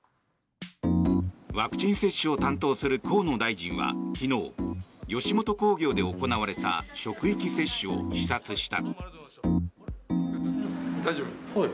ワクチン接種を担当する河野大臣は昨日吉本興業で行われた職域接種を視察した。